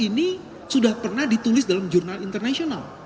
ini sudah pernah ditulis dalam jurnal internasional